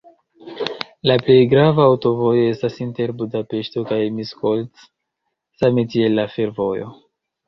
La plej grava aŭtovojo estas inter Budapeŝto kaj Miskolc, same tiel la fervojo.